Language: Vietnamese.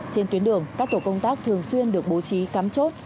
trên tuyến đường các tổ công tác thường xuyên được bố trí cắm chốt